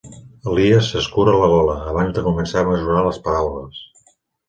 Elies s’escura la gola, abans de començar a mesurar les paraules.